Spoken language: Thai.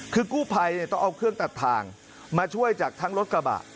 คือกู้ภัยต้องเอาเครื่องตัดทางมาช่วยจากทั้งรถกระบะ